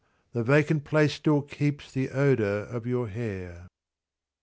the vacant place still keeps The odour of your hair.